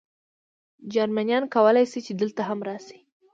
جرمنیان کولای شي، چې دلته هم راشي.